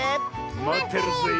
まってるぜえ。